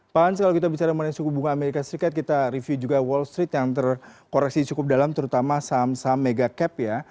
pak hans kalau kita bicara mengenai suku bunga amerika serikat kita review juga wall street yang terkoreksi cukup dalam terutama saham saham mega cap ya